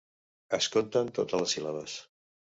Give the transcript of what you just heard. Es compten totes les síl·labes.